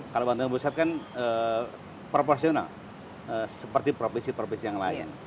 kalau bantuan pusat kan proporsional seperti provinsi provinsi yang lain